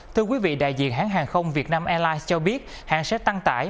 thưa quý vị đại diện hãng hàng không việt nam airlines cho biết hãng sẽ tăng tải